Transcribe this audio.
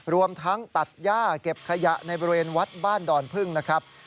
รวมทั้งตัดย่าเก็บขยะในบริเวณวัดบ้านดอนพึ่งนะครับ